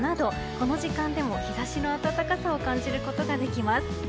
この時間でも日差しの暖かさを感じることができます。